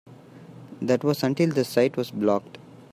That was until the site was blocked.